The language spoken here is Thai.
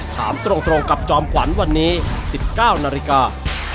ถามตรงกับจอมขวัญวันนี้๑๙นาฬิกา